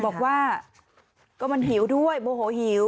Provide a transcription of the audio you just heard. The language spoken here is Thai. บอกว่าก็มันหิวด้วยโมโหหิว